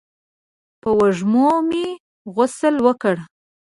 په وږمو مې غسل وکړ